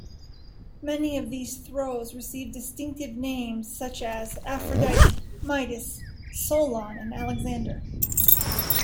Many of these throws received distinctive names such as: Aphrodite, Midas, Solon, and Alexander.